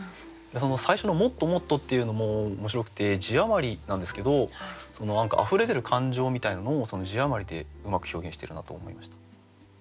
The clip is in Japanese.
最初の「もっともっと」っていうのも面白くて字余りなんですけどその何かあふれ出る感情みたいなのをその字余りでうまく表現しているなと思いました。